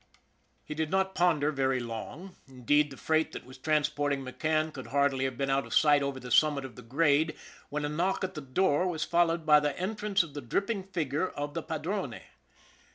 He did not ponder very long; indeed, the freight that was transporting McCann could hardly have been out of sight over the summit of the grade, when a knock at the door was followed by the entrance of the dripping figure of the padrone.